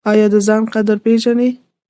ایا د ځان قدر پیژنئ؟